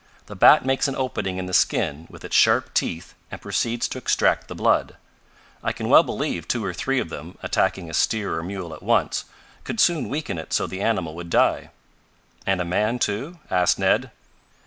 The bat makes an opening in the skin with its sharp teeth and proceeds to extract the blood. I can well believe two or three of them, attacking a steer or mule at once, could soon weaken it so the animal would die." "And a man, too?" asked Ned.